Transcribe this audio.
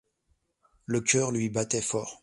Le cœur lui battait fort.